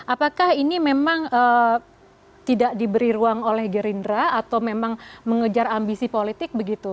apakah ini memang tidak diberi ruang oleh gerindra atau memang mengejar ambisi politik begitu